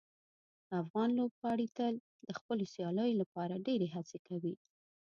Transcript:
افغان لوبغاړي تل د خپلو سیالیو لپاره ډیرې هڅې کوي.